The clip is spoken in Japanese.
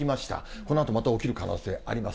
このあとまた起きる可能性あります。